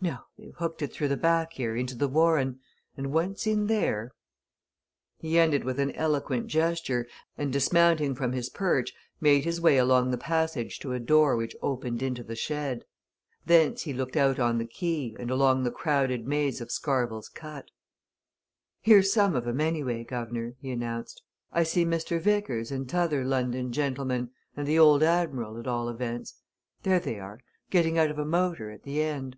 No they've hooked it through the back here, into the Warren. And once in there " He ended with an eloquent gesture, and dismounting from his perch made his way along the passage to a door which opened into the shed. Thence he looked out on the quay, and along the crowded maze of Scarvell's Cut. "Here's some of 'em, anyway, guv'nor," he announced. "I see Mr. Vickers and t'other London gentleman, and the old Admiral, at all events. There they are getting out of a motor at the end.